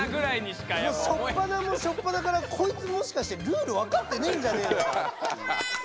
しょっぱなのしょっぱなからこいつもしかしてルールわかってねえんじゃねえか。